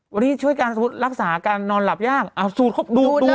วันนี้ช่วยการรักษาการนอนหลับยากเอาสูตรเขาดูดเลย